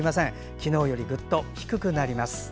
昨日よりぐっと低くなります。